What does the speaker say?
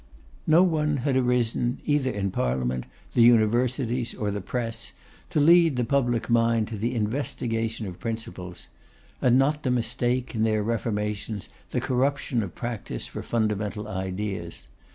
No one had arisen either in Parliament, the Universities, or the Press, to lead the public mind to the investigation of principles; and not to mistake, in their reformations, the corruption of practice for fundamental ideas.